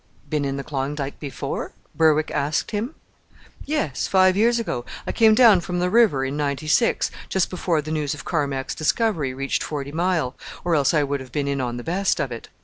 "Been in the Klondike before?" Berwick asked him. "Yes, five years ago. I came down from the River in '96, just before the news of Carmack's discovery reached Forty Mile, or else I would have been in on the best of it.